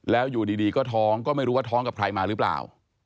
แล้วอยู่ดีก็ท้องก็ไม่รู้ว่าท้องกับใครมาหรือเปล่า